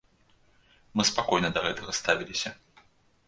Мы спакойна да гэтага ставіліся.